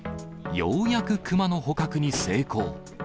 ようやく熊の捕獲に成功。